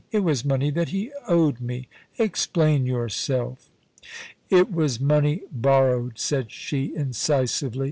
It was money that he owed me. Explain yourself.' * It was money borrowed,' said she, incisively.